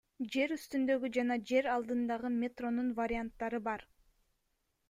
Жер үстүндөгү жана жер алдындагы метронун варианттары бар.